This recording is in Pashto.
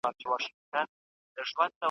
د عکسونو اخیستل او د غزل راتلل وه: .